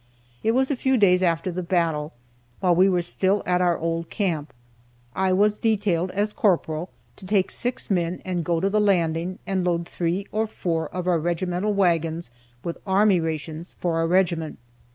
It was a few days after the battle, while we were still at our old camp. I was detailed, as corporal, to take six men and go to the Landing and load three or four of our regimental wagons with army rations for our regiment.